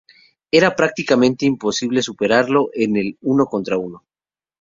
Era prácticamente imposible superarlo en el uno contra uno.